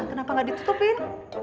kenapa gak ditutupin